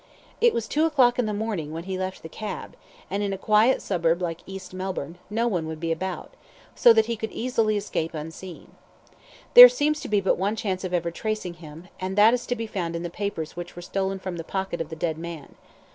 It was two o'clock in the morning when he left the cab, and, in a quiet suburb like East Melbourne, no one would be about, so that he could easily escape unseen. There seems to be only one chance of ever tracing him, and that is to be found in the papers which were stolen from the pocket of the dead man.